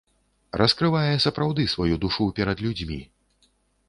Раскрывае сапраўды сваю душу перад людзьмі.